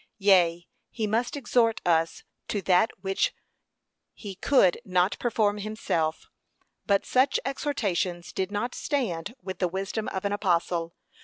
Yea, he must exhort us to that which be could not perform himself. But such exhortations did not stand with the wisdom of an apostle.